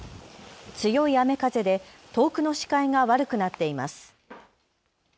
強い雨風で遠くの視界が悪くなっています。